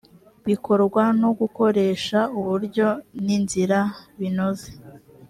bikorwa no gukoresha uburyo n inzira binoze